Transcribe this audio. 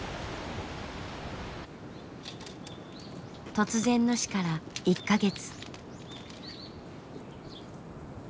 突然の死から１か月。